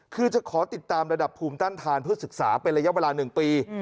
คือจะขอติดตามระดับภูมิต้านทานเพื่อศึกษาเป็นระยะเวลา๑ปี